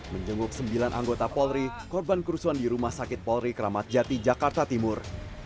menjenguk sembilan anggota polri korban kerusuhan di rumah sakit polri kramat jati jakarta timur